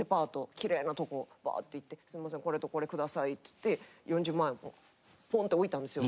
きれいなとこばって行って「すいませんこれとこれください」って言って４０万円ポンて置いたんですよ。